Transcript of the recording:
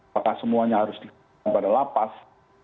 apakah semuanya harus dihubungi pada lapas